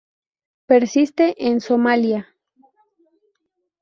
Persiste en Somalia.